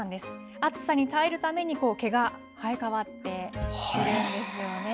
暑さに耐えるために、毛が生え変わっているんですよね。